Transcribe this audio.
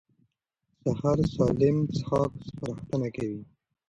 سهار سالم څښاک سپارښتنه شوه.